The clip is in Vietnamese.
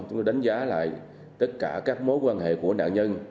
chúng tôi đánh giá lại tất cả các mối quan hệ của nạn nhân